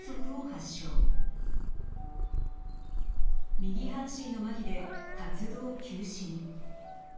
右半身のまひで活動休止に。